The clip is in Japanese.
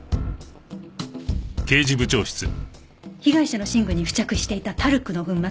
被害者の寝具に付着していたタルクの粉末